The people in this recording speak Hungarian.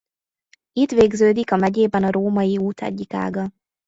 Itt végződik a megyében a római-út egyik ága.